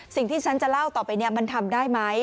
สิ่งที่ฉันจะเล่าต่อไปเนี่ยมันทำได้ไหม